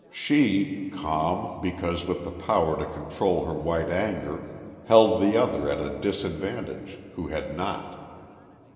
She, calm, because with the power to control her white anger, held the other at a disadvantage, who had not.